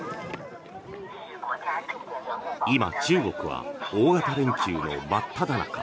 今、中国は大型連休の真っただ中。